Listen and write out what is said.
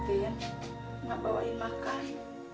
ben mau bawain makan